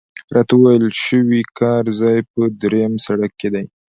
راته ویل شوي کار ځای په درېیم سړک کې دی.